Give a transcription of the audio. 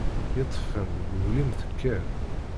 Yeṭṭefen deg uglim tekker.